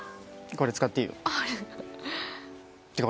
これ使っていいよえっ！？